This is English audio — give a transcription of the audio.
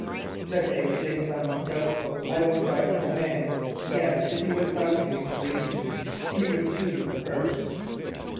The case being somewhat doubtful, I will drive no man; yet if ye would suffer me to lead you, ye would choose the first."